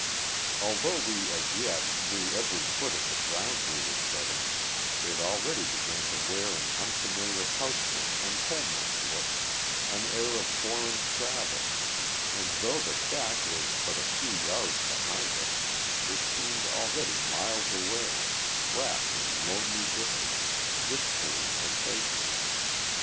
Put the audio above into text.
Although we as yet knew every foot of the ground we were treading, it already began to wear an unfamiliar houseless and homeless look, an air of foreign travel, and though the shack was but a few yards behind us, it seemed already miles away, wrapped in lonely distance, wistfully forsaken.